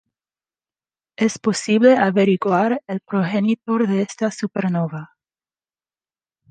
Es posible averiguar el progenitor de esta supernova.